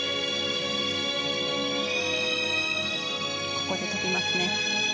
ここで跳びますね。